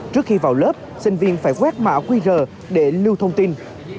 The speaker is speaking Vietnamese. trước khi vào lớp sinh viên phải quét mã qr để lưu thông tin